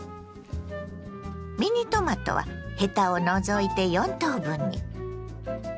ミニトマトはヘタを除いて４等分に。